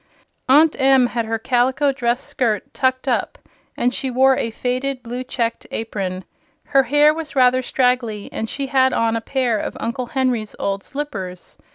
Aunt Em had her calico dress skirt "tucked up," and she wore a faded, blue checked apron. Her hair was rather straggly and she had on a pair of Uncle Henry's old slippers.